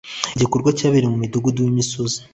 Igikorwa cyabereye mu mudugudu wimisozi.